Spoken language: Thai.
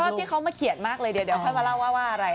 หนูชอบที่เค้ามาเขียนมากเลยเดี๋ยวมาเล่าว่าว่าว่าอะไร